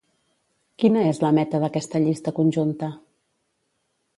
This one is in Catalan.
Quina és la meta d'aquesta llista conjunta?